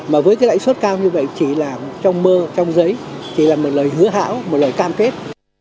mà với cái lãi suất cao như vậy chỉ là trong mơ trong giấy chỉ là một lời hứa hão một lời cam kết